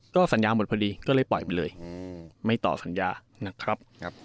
ก็สัญญาหมดพอดีก็เลยปล่อยไปเลยไม่ต่อสัญญานะครับ